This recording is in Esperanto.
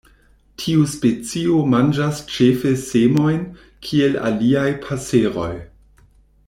Tiu specio manĝas ĉefe semojn, kiel aliaj paseroj.